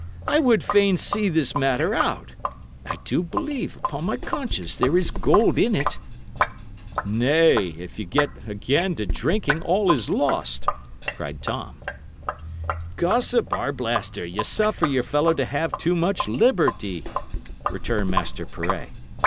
I would fain see this matter out; I do believe, upon my conscience, there is gold in it." "Nay, if ye get again to drinking, all is lost!" cried Tom. "Gossip Arblaster, ye suffer your fellow to have too much liberty," returned Master Pirret.